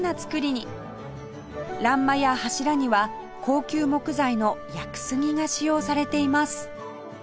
欄間や柱には高級木材の屋久杉が使用されています